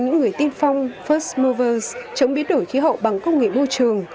để những người tiên phong first movers chống biến đổi khí hậu bằng công nghệ vô trường